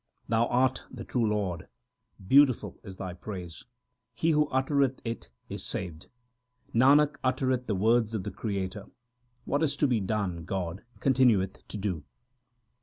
1 Thou art the true Lord ; beautiful is Thy praise ; he who uttereth it is saved. Nanak uttereth the words of the Creator ; what is to be done God continueth to do.